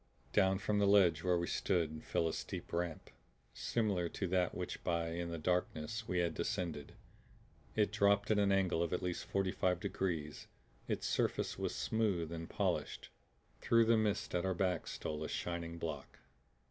Down from the ledge where we stood fell a steep ramp, similar to that by which, in the darkness, we had descended. It dropped at an angle of at least forty five degrees; its surface was smooth and polished. Through the mists at our back stole a shining block.